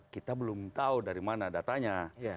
kita belum tahu dari mana datanya